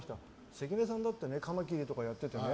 関根さんだってカマキリとかやっててね